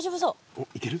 おっいける？